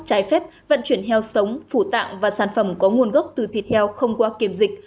trái phép vận chuyển heo sống phủ tạng và sản phẩm có nguồn gốc từ thịt heo không qua kiểm dịch